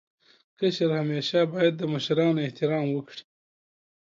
کشر همېشه باید د مشرانو احترام وکړي.